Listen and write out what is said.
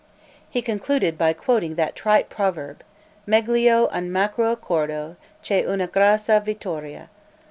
He concluded by quoting that trite proverb, "Meglio un magro accordo che una grassa vittoria."